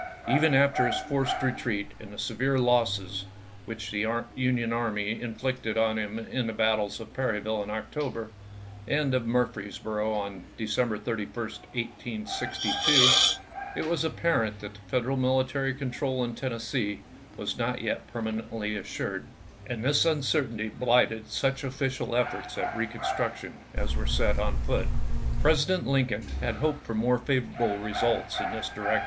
Even after his forced retreat and the severe losses which the Union Army inflicted on him in the battles of Perryville in October, and of Murfreesboro on December 31, 1862, it was ap parent that Federal military control in Tennessee was not yet permanently assured ; and this uncer tainty bhghted such official efforts at reconstruc tion as were set on foot. President Lincoln had hoped for more favorable results in this direction.